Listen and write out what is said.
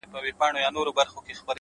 زړه مي دي خاوري سي ډبره دى زړگى نـه دی،